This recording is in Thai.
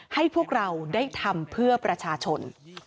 ให้พวกเราได้ทำเพื่อประชาชน